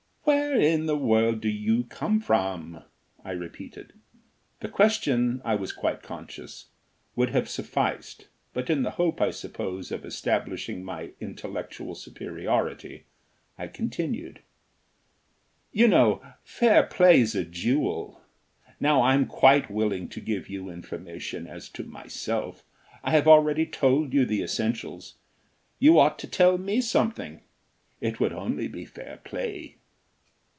"Where in the world do you come from?" I repeated. The question, I was quite conscious, would have sufficed, but in the hope, I suppose, of establishing my intellectual superiority, I continued: "You know, fair play's a jewel. Now I'm quite willing to give you information as to myself. I have already told you the essentials you ought to tell me something. It would only be fair play."